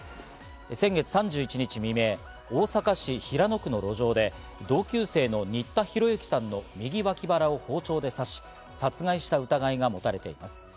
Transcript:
先月３１日未明、大阪市平野区の路上で、同級生の新田浩之さんの右わき腹を包丁で刺し、殺害した疑いがもたれています。